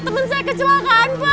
teman saya kecelakaan pak